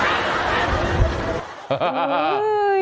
จริง